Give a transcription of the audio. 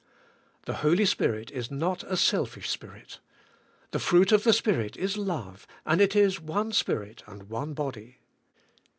The Holy Spirit is not a self ish Spirit. The fruit of the Spirit is love and it is one Spirit and one body.